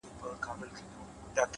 مړ مه سې ـ د بل ژوند د باب وخت ته ـ